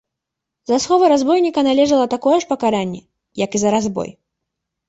За сховы разбойніка належала такое ж пакаранне, як і за разбой.